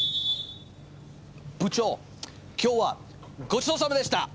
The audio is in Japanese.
部長今日はごちそうさまでした！